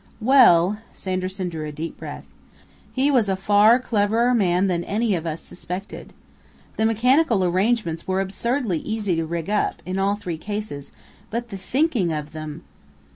"Well " Sanderson drew a deep breath. "He was a far cleverer man than any of us suspected. The mechanical arrangements were absurdly easy to rig up, in all three cases, but the thinking of them